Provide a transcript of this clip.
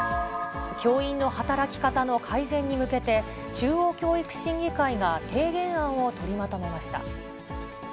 教員の働き方の改善に向けて、中央教育審議会が提言案を取りまとめました。